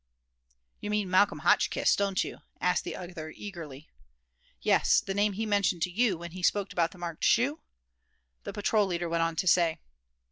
"You mean Malcolm Hotchkiss, don't you?" asked the other, eagerly. "Yes, the name he mentioned to you, when he spoke about the marked shoe?" the patrol leader went on to say.